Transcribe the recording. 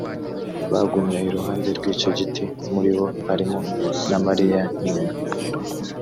bagumye iruhande rw icyo giti muri bo harimo na mariya nyina